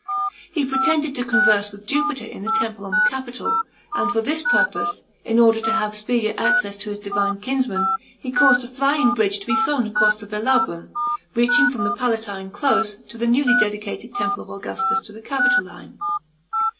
He pretended to converse with Jupiter in the temple on the Capitol, and for this purpose, in order to have speedier access to his divine kinsman, he caused a flying bridge to be thrown across the Velahrum, reaching from the Palatine close to the newly dedicated temple of Augustus to the Capitoline.